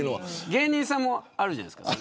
芸人さんもあるじゃないですか。